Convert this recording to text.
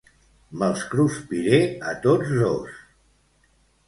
Me'ls cruspiré a tots dos.